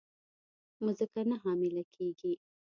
مځکه نه حامله کیږې